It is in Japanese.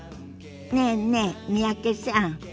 ねえねえ三宅さん。